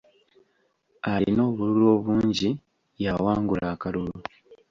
Alina obululu obungi y'awangula akalulu.